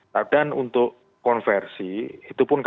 nah dan untuk konflik ya memang harus dipersiapkan semuanya